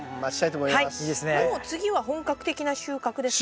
もう次は本格的な収穫ですか？